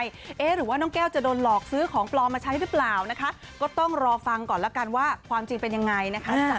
เอ๊ะหรือว่าน้องแก้วจะโดนหลอกซื้อของปลอมมาใช้หรือเปล่านะคะก็ต้องรอฟังก่อนแล้วกันว่าความจริงเป็นยังไงนะคะ